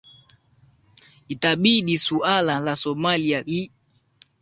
itabidi suala la somalia li